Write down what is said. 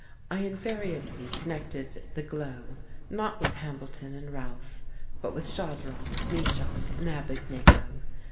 I invariably connected the glow, not with Hambleton and Ralph, but with Shadrach, Meshach and Abednego!